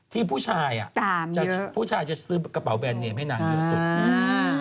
ที่ผู้ชายจะซื้อกระเป๋าแบรนด์เนมให้นางเยอะสุด